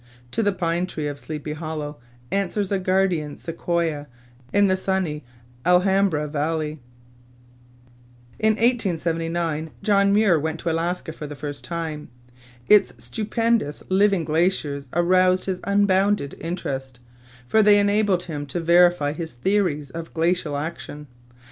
To the pine tree of Sleepy Hollow answers a guardian sequoia in the sunny Alhambra Valley. In 1879 John Muir went to Alaska for the first time. Its stupendous living glaciers aroused his unbounded interest, for they enabled him to verify his theories of glacial action.